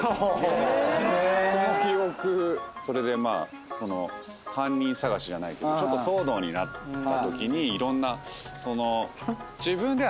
その記憶それでまあその犯人捜しじゃないけどちょっと騒動になったときにいろんなその。